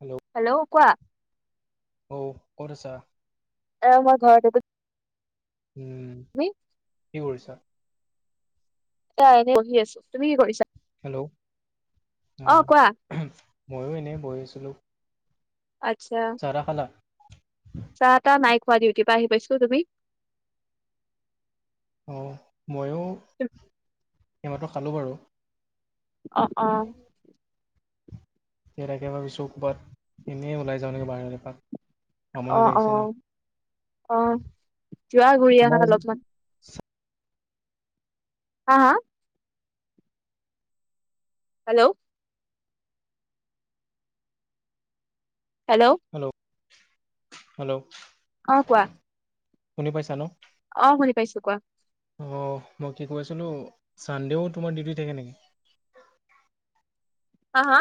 Hello hello কোৱা? অ ক'ত আছা? এয়া মই ঘৰতে। উম উ। তুমি কি কৰিছা? এয়া এনে বহি আছো। তুমি কি কৰিছা? হেল্ল অ অ উমহু মইয়ো এনেই বহি আছিলো। আচ্ছা। চাহ তাহ খালা চাহ তাহ নাই খোৱা ডিউটিৰ পৰা আহি পাইছো তুমি অ মইয়ো এইমাত্ৰ খালোঁ বাৰু অ অ সেই তাকে ভাবিছোঁ কবাত এনেই ওলাই যাওঁ নেকি বাহিৰত এপাক অ আমনি অ লাগিছে ন অ যোৱা ঘূৰি আহা তোমাৰ অলপমান হা হা হেল্ল' হেল্ল' হেল্ল অ কোৱা শুনি পাইছা ন অ শুনি পাইছো কোৱা অ মই কি কৈ আছিলোঁ ছানডেও তোমাৰ ডিউটি থাকে নেকি হা হা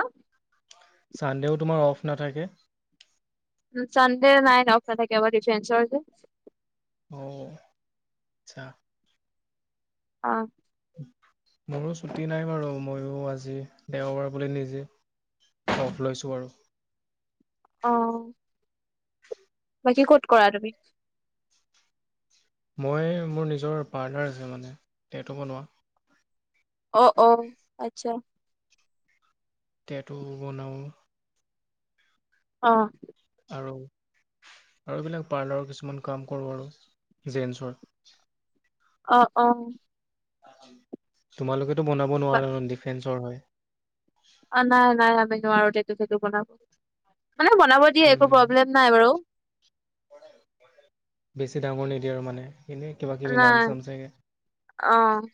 ছানডেও তোমাৰ অফ নাথাকে। উম ছানডেও নাই অফ নাথাকে বাত ডিফেণ্ডচৰ যে। অ আচ্ছা অ'। মোৰো ছুটি নাই বাৰু, ময়ো আজি দেওবাৰ বুলি নিজে অফ লৈছোঁ আৰু। অ'। বাকী ক'ত কৰা তুমি। মই মোৰ নিজৰ পাৰ্লাৰ আছে মানে টেটু বনোৱা। অ অ আচ্ছা। টেটু বনাওঁ। অ'। আৰু আৰু এইবিলাক পাৰ্লাৰৰ কিছুমান কাম কৰোঁ আৰু জেমছৰ। অ অ তোমালোকেটো বনাব নোৱাৰা ডিফেণ্ডচৰৰ হয়। অ নাই নাই আমি নোৱাৰোঁ টেটু চেতু বনাব মানে বনাব দিয়ে একো প্ৰব্লেম নাই বাৰু। কৰে বেছি ডাঙৰ নিদিয়ে আৰু মানে এনে। নাই অ'।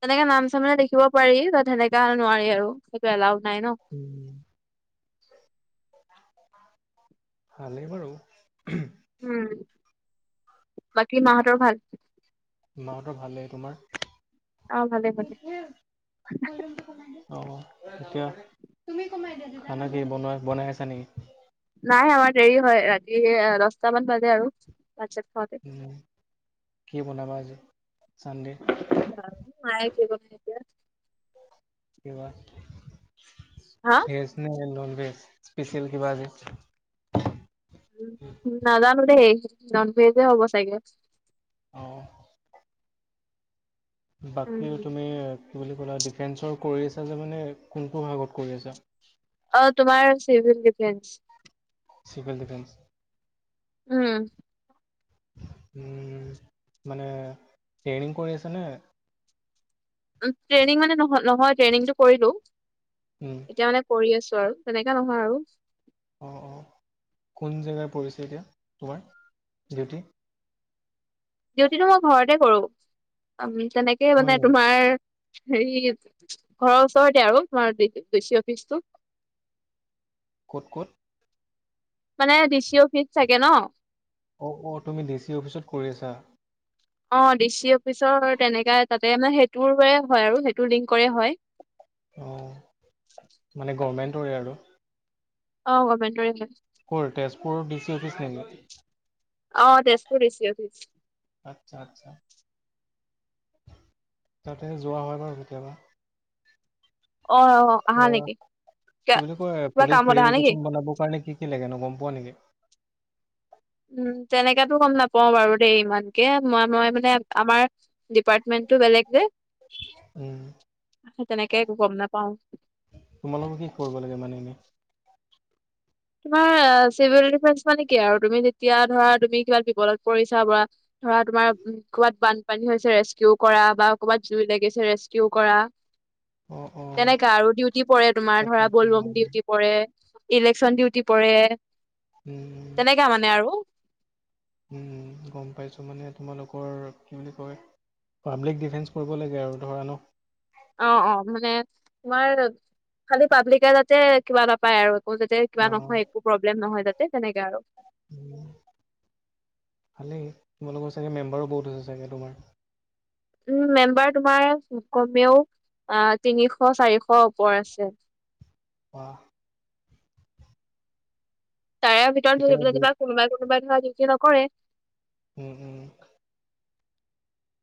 তেনেকে নাম চাম মানে লিখিব পাৰি বাত সেনেকা আৰু নোৱাৰি আৰু সেইটো এলাউ নাই ন। উম ভালেই বাৰু। উম বাকী মাহঁতৰ ভাল। মাহঁতৰ ভালেই তোমাৰ অ ভালে ভালে [unintelligible] অ ঠিকে খানা কি বনাই বনাই আছা নেকি। নাই আমাৰ দেৰি হয়, ৰাতি সেয়া দচটামান বাজে আৰু ভাত চাত খাওঁতে। উম কি বনাবা আজি চানডে। শৰাই দিব এতিয়া। কিবা হা ভেজ নে নন ভেজ স্পেচিয়েল কিবা আজি। নাজানো দেই নন ভেজে হ'ব চাগে। অ'। উম বাকী তুমি কি বুলি ক'লা ডিফেণ্ডচৰ কৰি আছা যে মানে কোনটো ভাগত কৰি আছা। অ', তোমাৰ চিভিল ডিফেন্স। Civil defence. উম। উম, মানে ট্ৰেইনিং কৰি আছা নে? ট্ৰেইনিং মানে নহয় ট্ৰেইনিংটো কৰিলোঁ। উম। এতিয়া মানে কৰি আছো আৰু, তেনেকা নহয় আৰু। অ', অ', কোন জেগা পৰিছে এতিয়া, তোমাৰ ডিউটি। ডিউটিটো মই ঘৰতে কৰোঁ, উম, তেনেকে হয় মানে নেকি তোমাৰ হেৰি, ঘৰৰ ওচৰতে আৰু তোমাৰ ডি চি অফিচটি। ক'ত ক'ত? মানে ডি চি অফিচ থাকে ন'! অ', অ', তুমি ডি চি অফিচত কৰি আছা? অ', ডি চি অফিচৰ তেনেকা তাতে মানে সেইটোৰে হয় আৰু সেইটো লিংক কৰে হয়। অ', মানে গভৰ্ণমেণ্টৰে আৰু? অ', গমেণ্টোৰে হয়। ক'ৰ তেজপুৰ ডি চি অফিচ নেকি? অ', তেজপুৰ ডি চি অফিচ। আচ্ছা আচ্ছা। তাতে যোৱা হয় বাৰু কেতিয়াবা। অ আহা অ', নেকি কি বুলি কিবা কয় পুলিচ কামত আহা নেকি ভেৰিফিকেশচন বনাব কাৰণে কি কি লাগেনো গ'ম পোৱা নেকি? উম, তেনেকেতো গ'ম নাপাও বাৰু দেই ইমানকে মই মই মানে আমাৰ ডিপাৰ্টমেন্টটো বেলেগ যে, উম সেই তেনেকে একো গ'ম নাপাও। তোমালোকে কি কৰিব লাগে মানে এনে? তোমাৰ চিভিল ডিফেন্স মানে কি আৰু তুমি যেতিয়া ধৰা তুমি কিবা বিপদত পৰিছা বা ধৰা তোমাৰ ক'বাত বানপানী হৈছে ৰেস্কিও কৰা বা ক'বাত জুই লাগিছে ৰেস্কিও কৰা। [inaudible] অ', তেনেকা আৰু ডিউটি পৰে তোমাৰ তাকে ধৰা ব'ল তোমাৰ ব'ম ডিউটি পৰে, ইলেকশচন ডিউটি পৰে। উম। [unintelligible] মানে আৰু। উম, গ'ম পাইছো মানে তোমালোকৰ কি বুলি কয় পাব্লিক ডিফেন্স কৰিব লাগে আৰু ধৰা ন'? অ', অ', মানে তোমাৰ খালী পাব্লিকে যাতে কিবা নাপায় আৰু। আকৌ যাতে কিবা অ', নহয় একো প্ৰব্লেম নহয় যাতে তেনেকে আৰু। উম, ভালেই তোমালোকৰ চাগে মেম্বাৰো বহুত আছে চাগে তোমাৰ? উম, মেম্বাৰ তোমাৰ ক'মেও অ', তিনিশ চাৰিশ ওপৰ আছে। বাহ। তাৰে ভিতৰত ধৰি এতিয়া লোৱা বহুত যেনিবা কোনোবাই কোনোবাই ধৰা ডিউটি নকৰে। উম, উম।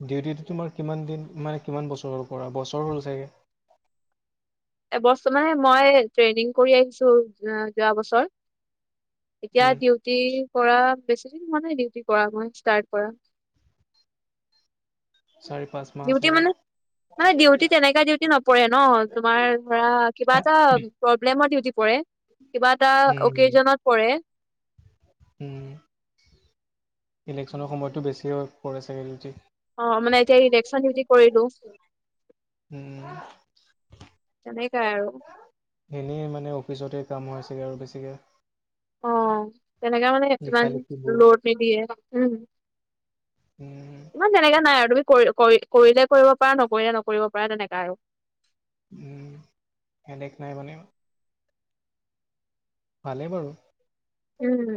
ডিউটিটো তোমাৰ কিমান দিন মানে কিমান বছৰৰ হ'ল কৰা, বছৰ হ'ল চাগে? এবছৰ মানে মই ট্ৰেইনিং কৰি আহিছো যোৱা বছৰ। এতিয়া উম, ডিউটি কৰা বেছি দিন হোৱা নাই ডিউটি কৰা মই ষ্টাৰ্ট কৰা। চাৰি পাঁচ মাহ ডিউটি চাগে মানে, মানে ডিউটি তেনেকা ডিউটি নপৰে ন তোমাৰ ধৰা কিবা এটা প্ৰব্লেমত ডিউটি পৰে, কিবা এটা উম, অকেজনত পৰে। উম, ইলেকশ্যনৰ সময়তটো বেছি হৈ পৰে চাগে ডিউটি। অঁ মানে এতিয়া ইলেকশ্যন ডিউটি কৰিলো। উম। তেনেকাই আৰু। এনেই মানে অফিচতে কাম হয় চাগে আৰু বেছিকে। অঁ, তেনেকা মানে লিখা ইমান লিখিবোৰ লোড নিদিয়ে, উম। উম, অঁ তেনেকা নাই আৰু, তুমি কৰি কৰি কৰিলে কৰিব পাৰা নকৰিলে নকৰিব পাৰা তেনেকা আৰু। উম হেডেক নাই মানে। ভালেই বাৰু। উম।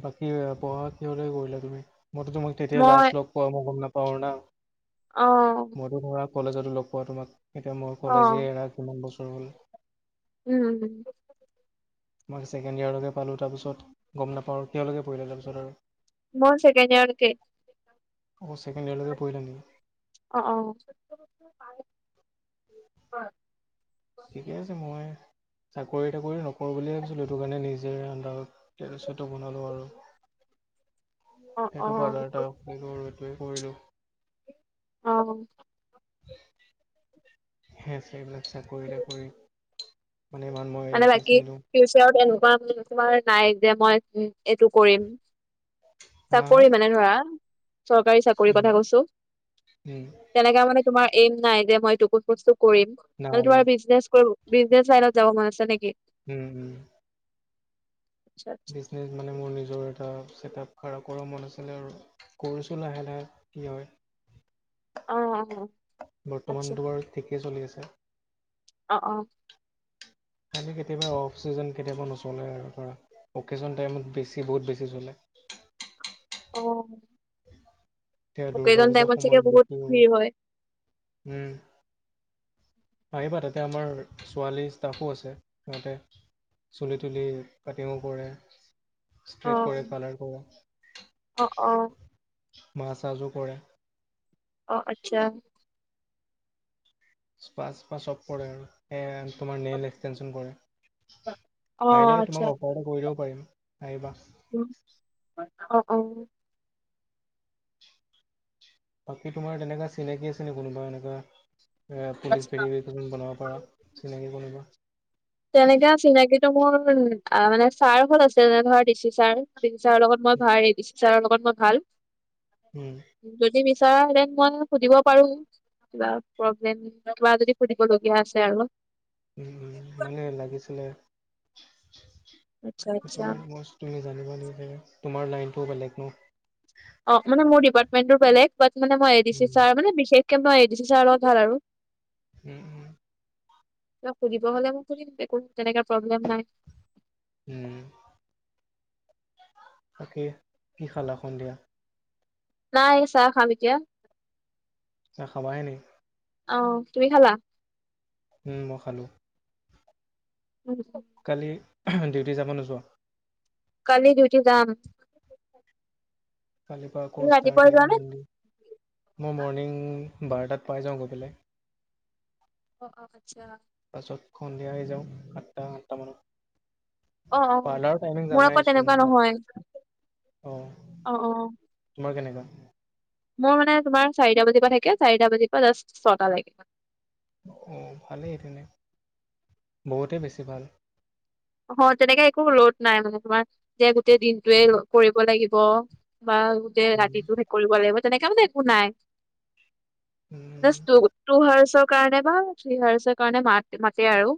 বাকী পঢ়া কিহৰলৈকে কৰিলা তুমি, মইটো তোমাক তেতিয়া মই লাষ্ট লগ পোৱা মই গম নাপাওঁ না। অঁ। মইটো ধৰা কলেজতো লগ পোৱা তোমাক, এতিয়া মোৰ অ কলেজে এৰা কিমান বছৰ হ'ল। উম। মই ছেকেণ্ড ইয়াৰলৈকে পালোঁ, তাৰপিছত গম নাপাওঁ, কিহলৈকে পঢ়িলা তাৰপিছত আৰু? মই ছেকেণ্ড ইয়াৰলৈকে। অঁ, ছেকেণ্ড ইয়াৰৰ লৈকে পঢ়িলা নেকি? অঁ অঁ। ঠিকে আছে, মই চাকৰি তাকৰি নকৰোঁ বুলিয়ে ভাবিছিলোঁ, সেইটো কাৰণে নিজে আণ্ডাৰগ্ৰাউণ্ড টেৰ'ৰিষ্ট এটা বনালো আৰু। অ অ সেইটো পাৰ্লাৰ এটা খুলিলিলো আৰু এইটোৱে কৰিলো। অঁ। সে সেইবিলাক চাকৰি তাকৰি মানে ইমান মই মানে বাকী ইণ্টাৰেষ্ট নিদু। ফিউচাৰত এনেকুৱা তোমাৰ নাই যে মই এইটো কৰিম। হা হা চাকৰি মানে ধৰা, চৰকাৰী চাকৰি উম, কথা কৈছো। উম। তেনেকা মানে তোমাৰ এইম নাই যে মই হেটোকুত বস্তু কৰিম, না নহলে তেওঁ না বাৰু বিজনেছ কৰো। বিজনেছ লাইনত যাব ম'ন আছে নেকি? উম উম। আচ্ছা আচ্ছা। মানে মোৰ নিজৰ এটা ছেটআপ খাৰা কৰা ম'ন আছিলে আৰু। কৰিছো লাহে লাহে, কি হয়। অ অ আচ্ছা বৰ্তমান তোমাৰ ঠিকেই চলি আছে। অ, অঁ। খালি কেতিয়াবা অফ চিজন, কেতিয়াবা নচলে আৰু ধৰা। অকেশ্বন টাইমত বেছি বহুত বেছি চলে। অ। সেয়া দুৰ্গা অকেজন পূজাৰ টাইমত চাগে সময়ত বহুত বিকো, ভিৰ হয় উম। আহিবা তাতে আমাৰ ছোৱালী ষ্টাফো আছে সিহঁতে। চুলি তুলি কাটিং কৰে, অ ষ্ট্ৰেইট কৰে কালাৰ কৰে। অ অঁ। মাচাজয়ো কৰে। অঁ, আচ্ছা। পাঁচ পা চব কৰে আৰু এ তোমাৰ নেল এক্সটেনচন কৰে, অ আহিলে আচ্ছা তোমাক অফাৰ এটা কৰি দিব পাৰিম। আহিবা। উম, অ', অ'। বাকী তোমাৰ তেনেকা চিনাকি আছে নেকি কোনোবা এনেকুৱা, এ পুলিচ ভেৰি উম বনাব পৰা চিনাকি কোনোবা তেনেকে চিনাকি টো মোৰ আ', মানে ছাৰ হ'ত আছে যেনে ধৰা D C sir. D C ছাৰৰ লগত মই ভাৰে, দি চি ছাৰৰ লগত মই ভাল। উম। যদি বিচাৰা হেঁন মই সুধিব পাৰো। কিবা প্ৰব্লেম, কিবা যদি সুধিবলগীয়া আছে আৰু। উম মানে লাগিছিলে, আচ্ছা সেইটো আচ্ছা কাৰণে মইচ তুমি জানিব নিবিচাৰিবা তোমাৰ লাইনটো বেলেগ ন। অ', মানে মোৰ ডিপাৰ্টমেণ্টটো বেলেগ বাট মানে মই A D C um sir মানে বিশেষকে মই এ ডি চি ছাৰৰ লগত ভাল আৰু। উম উম। কিবা সুধিব হ'লে মই সুদিম একো টেনেকা প্ৰব্লেম নাই। উম, তাকে কি খালা সন্ধিয়া। নাই এই চাহ খাম এতিয়া। চাহ খাবায়ে নি। অ', তুমি খালা। উম মই খালো। উম। কালি ডিউটি যাবা নে নোযোৱা? কালি ডিউটি যাম। কালিৰ পৰা আকৌ তুমি ৰাতিপুৱাই ষ্টাৰ্টে, যোৱা নে? মই মৰ্ণিং বাৰটাত পাই যাওঁ গৈ পেলাই। অ', অ', আচ্ছা! পাছত সন্ধিয়া আহি যাওঁ সাতটা আঠটা মানত। অ', অ', পাৰ্লাৰৰ টাইমিং মোৰ আকৌ জানাইচোন, তেনেকুৱা নহয়। অহ। অ', অ', তোমাৰ কেনেকুৱা? মোৰ মানে তোমাৰ চাৰিটা বাজিৰ পৰা থাকে, চাৰিটা বাজিৰ পৰা জাষ্ট ছটা লেকে। অ', ভালেই তেনে, বহুতেই বেছি ভাল। অ', তেনেকে একো লড নাই মানে তোমাৰ যে গোটেই দিনটোৱে কৰিব লাগিব। বা গোটেই উম, ৰাতিটো শেষ কৰিব লাগিব, তেনেকে মানে একো নাই। উম, জাষ্ট টু হাৰ্চৰ কাৰণে বা থ্ৰী হাৰ্চৰ কাৰণে মা-মাতে আৰু।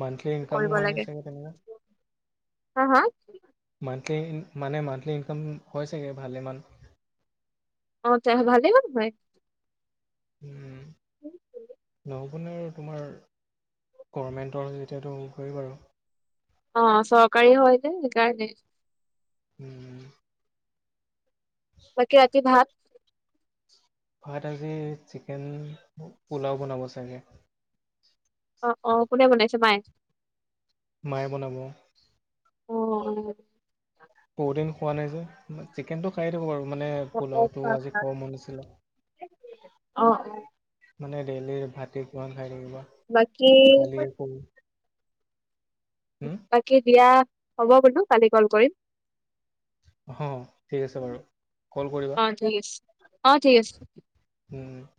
মান্থলি ইনকামো হয় নে চাগে তেনেকা হাঁ হাঁ? মান্থলি মানে মান্থলি ইনকাম হয় চাগে ভালেমান? অ', তেহ ভালেমান হয়। উম। [unintelligible] [unintelligible] তোমাৰ গভণমেণ্টৰ যেতিয়াতো হয় বাৰু। অ' চৰকাৰীও হয় যে সেইকাৰণে। উম উম। বাকী ৰাতি ভাত? ভাত আজি চিকেন পোলাও বনাব চাগে! অ', অ', কোনে বনাইছে, মাই? মায়ে বনাব অ বহুদিন খোৱা নাই যে চিকেনটো খাইয়ে থাকোঁ বাৰু মানে পোলাওটো আজি খোৱা মন আছিলে। অ মানে ডেইলি ভাতে খোৱা [unintelligible] বাকী হম বাকী দিয়া হ'ব বোলো, কালি কল কৰিম। অহ ঠিক আছে বাৰু কল কৰিবা। অ ঠিক আছে অ ঠিক আছে উম।